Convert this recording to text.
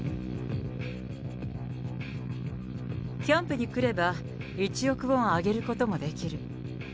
キャンプに来れば、１億ウォンあげることもできる。